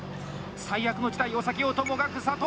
最悪の事態を避けようともがく佐藤。